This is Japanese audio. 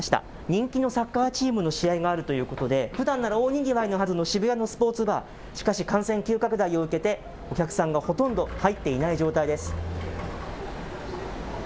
人気のサッカーチームの試合があるということで、ふだんなら大にぎわいのはずの渋谷のスポーツバー、しかし、感染急拡大を受けて、お客さんがほとんど入っていない状態です。